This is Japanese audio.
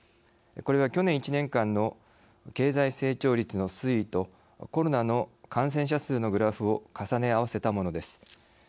これは去年１年間の経済成長率の推移とコロナの感染者数のグラフを重ね合わせたものです。